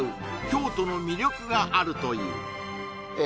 京都の魅力があるというえ